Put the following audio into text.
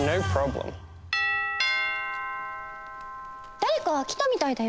だれか来たみたいだよ？